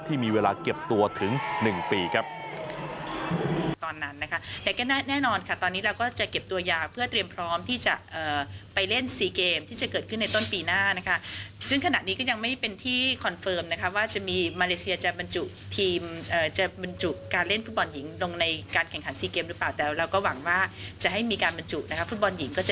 ที่มีเวลาเก็บตัวถึง๑ปีครับ